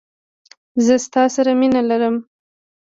زه ستا سره مینه لرم.